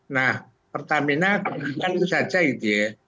nah pertamina itu saja gitu ya